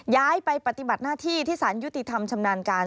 ย้ายไปปฏิบัติหน้าที่ที่สารยุติธรรมชำนาญการ